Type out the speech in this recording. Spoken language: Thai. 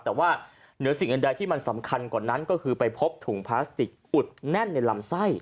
แต่ว่าเหนือสิ่งอื่นใดที่มันสำคัญกว่านั้นก็คือไปพบถุงพลาสติกอุดแน่นในลำไส้